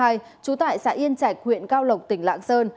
trú tại xã yên chạch huyện cao lộc tỉnh lạng sơn